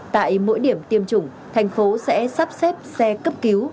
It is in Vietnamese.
tại mỗi điểm tiêm chủng thành phố sẽ sắp xếp xe cấp cứu